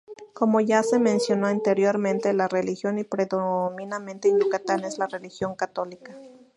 Como ya se mencionó anteriormente, la religión predominante en Yucatán es la religión católica.